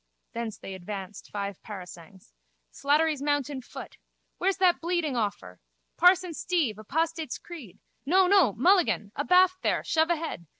Thence they advanced five parasangs. Slattery's mounted foot. Where's that bleeding awfur? Parson Steve, apostates' creed! No, no, Mulligan! Abaft there! Shove ahead.